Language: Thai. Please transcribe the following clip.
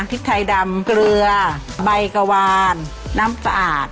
พริกไทยดำเกลือใบกะวานน้ำสะอาด